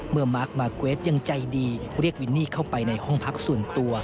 มาร์คมาร์เกรทยังใจดีเรียกวินนี่เข้าไปในห้องพักส่วนตัว